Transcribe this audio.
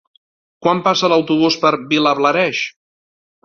Quan passa l'autobús per Vilablareix?